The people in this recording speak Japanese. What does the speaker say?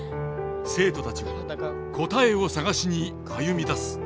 生徒たちが答えを探しに歩み出す。